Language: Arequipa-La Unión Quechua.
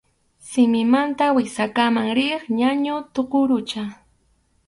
Simimanta wiksakama riq ñañu tuqurucha.